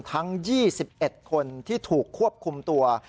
ทั้ง๒๑คนที่ถูกควบคุมตัว